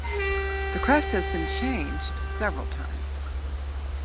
The crest has been changed several times.